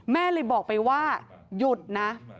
แม่เลยบอกไปว่าหยุดนะ